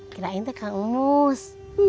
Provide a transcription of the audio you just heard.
kirain tuh kang umus